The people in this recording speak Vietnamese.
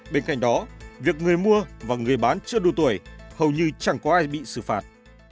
bên cạnh đó việc người mua và người bán chưa đủ tuổi hầu như chẳng có ai bị xử phạt